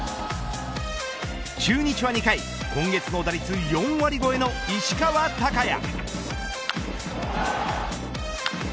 中日は２回、今月の打率４割越えの石川昂弥。